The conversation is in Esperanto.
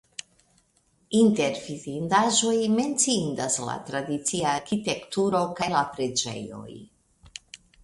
Inter vidindaĵoj menciindas la tradicia arkitekturo kaj la preĝejoj.